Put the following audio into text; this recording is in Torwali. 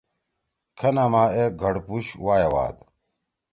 کھنا ما اے گھڑپُش وائے واد۔